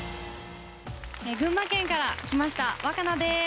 群馬県から来ました和佳奈です。